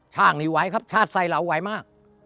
ข้างนี้ไหวครับชาติใส่เราไหวมาก